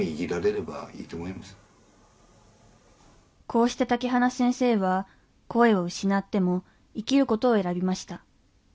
こうして竹花先生は声を失っても生きることを選びました。